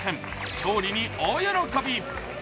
勝利に大喜び。